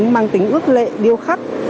mang tính ước lệ điêu khắc